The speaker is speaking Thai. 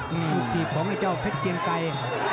ลูกหยิบของเจ้าเพชรเตียงไก่